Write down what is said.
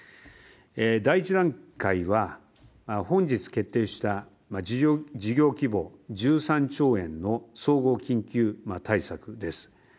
第１段階は、本日決定した事業規模１３兆円の総合緊急対策です。